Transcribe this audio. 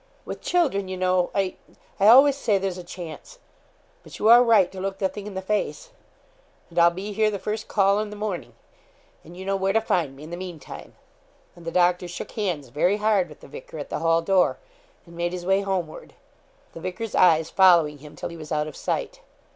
'With children, you know, I I always say there's a chance but you are right to look the thing in the face and I'll be here the first call in the morning; and you know where to find me, in the meantime;' and the doctor shook hands very hard with the vicar at the hall door, and made his way homeward the vicar's eyes following him till he was out of sight.